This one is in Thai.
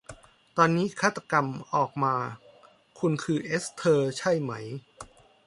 ตอนนี้ฆาตกรรมออกมา คุณคือเอสเธอร์ใช่ไหม